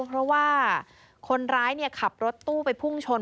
เพราะว่าคนร้ายขับรถตู้ไปพุ่งชน